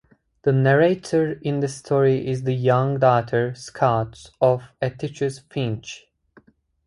The narrator in the story is the young daughter, Scout, of Atticus Finch.